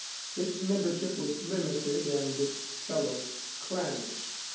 Its membership was limited and its fellows clannish.